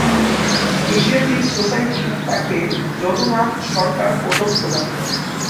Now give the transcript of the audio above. Asiatic Society তাকে 'যদুনাথ সরকার পদক' প্রদান করে।